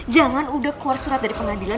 jangan udah keluar surat dari pengadilan